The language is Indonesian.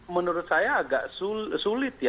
menurut saya agak sulit ya